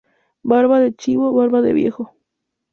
Barba de chivo, barba del viejo.